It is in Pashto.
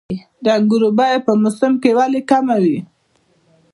د انګورو بیه په موسم کې ولې کمه وي؟